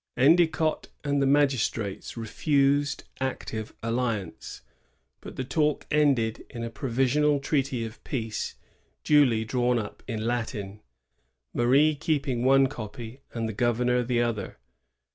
Endicott and the magistrates refused active alliance ; but the talk ended in a provisional treaty of peace, duly drawn up in Latin, Marie keeping one copy and the governor the other.